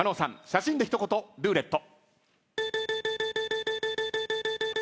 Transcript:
写真で一言ルーレット。